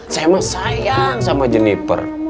saya mah sayang sama jenniper